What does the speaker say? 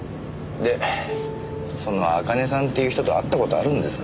でその茜さんっていう人と会った事あるんですか？